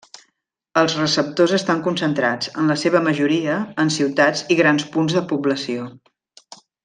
Els receptors estan concentrats, en la seva majoria, en ciutats i grans punts de població.